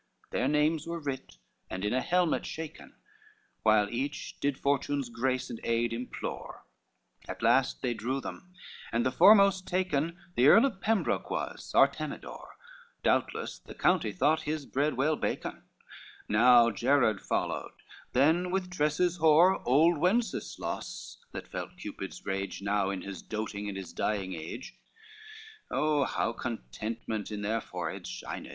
LXXIII Their names were writ, and in an helmet shaken, While each did fortune's grace and aid implore; At last they drew them, and the foremost taken The Earl of Pembroke was, Artemidore, Doubtless the county thought his bread well baken; Next Gerrard followed, then with tresses hoar Old Wenceslaus, that felt Cupid's rage Now in his doating and his dying age. LXXIV Oh how contentment in their foreheads shined!